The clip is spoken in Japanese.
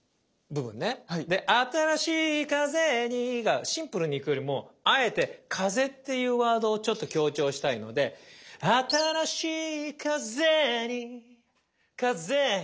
で「新しい風に」がシンプルにいくよりもあえて「風」っていうワードをちょっと強調したいので「新しい風に」カゼーニ。